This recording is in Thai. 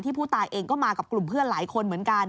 ผู้ตายเองก็มากับกลุ่มเพื่อนหลายคนเหมือนกัน